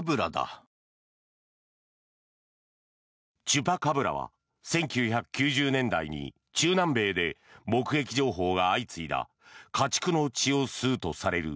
チュパカブラは１９９０年代に中南米で目撃情報が相次いだ家畜の血を吸うとされる